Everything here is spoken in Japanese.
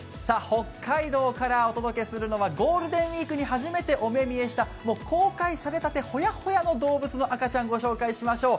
北海道からお届けするのはゴールデンウイークに初めてお目見えした公開されたてほやほやの動物の赤ちゃん御紹介しましょう。